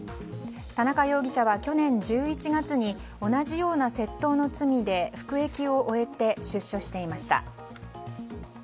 田中容疑者は去年１１月に同じような窃盗の罪で服役を終えて出所していました。